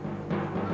ờ cũng phải tốc đô